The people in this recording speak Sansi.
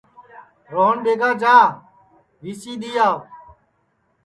روہن ٻیگا جا وی سی دؔی آو